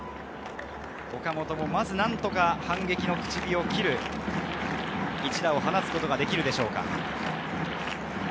岡本もまず何とか反撃の口火を切る１打を放つことができるでしょうか。